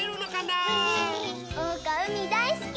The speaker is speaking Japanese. おうかうみだいすき！